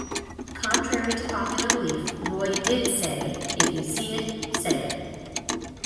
Contrary to popular belief Roy did say "if you see it say it".